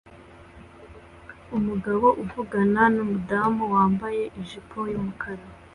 Umugabo uvugana numudamu wambaye ijipo yumukara